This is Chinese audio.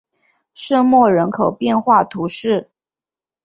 圣莫人口变化图示